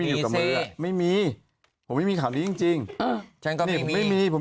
กันชัยนี่ไงข่าวโดมประกอบหลับอีบ้า